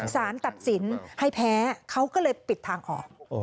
สารตัดสินให้แพ้เขาก็เลยปิดทางออก